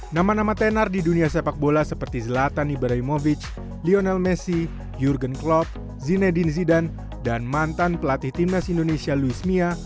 nama nama tenar di dunia sepak bola seperti zlatan ibaraimovic lionel messi jurgen klopp zinedin zidan dan mantan pelatih timnas indonesia luis mia